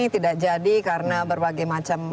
tidak jadi karena berbagai macam